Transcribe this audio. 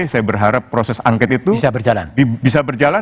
saya berharap proses angket itu bisa berjalan